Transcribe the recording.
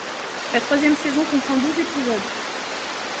La troisième saison comprend douze épisodes.